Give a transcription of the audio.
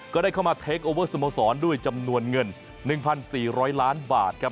ก็ได้เข้ามาเทคโอเวอร์สโมสรด้วยจำนวนเงิน๑๔๐๐ล้านบาทครับ